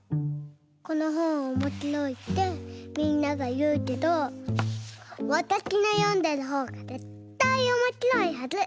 このほんおもしろいってみんながいうけどわたしのよんでるほうがぜったいおもしろいはず！